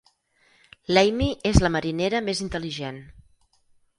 L'Ami és la marinera més intel·ligent.